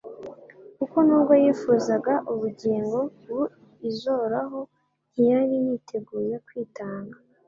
kuko nubwo yifuzaga ubugingo buizoraho, ntiyari yiteguye kwitanga.